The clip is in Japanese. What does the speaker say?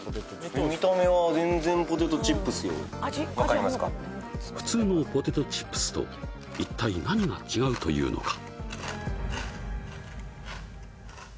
見た目は全然ポテトチップスよ分かりますか普通のポテトチップスと一体何が違うというのか？